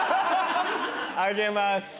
あげます。